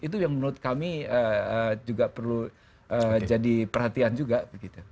itu yang menurut kami juga perlu jadi perhatian juga begitu